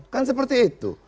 kan seperti itu